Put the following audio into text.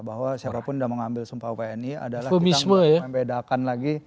bahwa siapapun yang mengambil sumpah wni adalah kita membedakan lagi